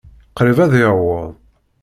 Qṛib ad yaweḍ.